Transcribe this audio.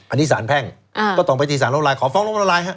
อันนี้สารแพ่งก็ต้องไปที่สารล้มลายขอฟ้องล้มละลายฮะ